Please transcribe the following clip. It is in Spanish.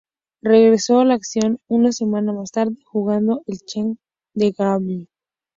Regresó a la acción una semana más tarde jugando el Challenger de Granby.